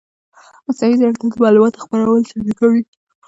مصنوعي ځیرکتیا د معلوماتو خپرول چټکوي.